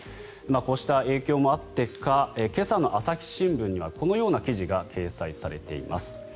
こうした影響もあってか今朝の朝日新聞にはこのような記事が掲載されています。